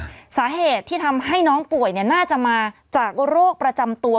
สาเหตุที่ทำให้น้องป่วยเนี่ยน่าจะมาจากโรคประจำตัว